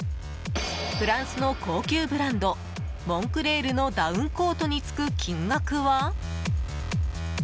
フランスの高級ブランドモンクレールのダウンコートにつく金額は？